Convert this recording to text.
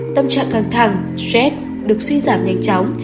tâm trạng căng thẳng stress được suy giảm nhanh chóng